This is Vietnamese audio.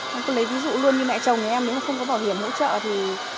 em tôi lấy ví dụ luôn như mẹ chồng nhà em nếu mà không có bảo hiểm hỗ trợ thì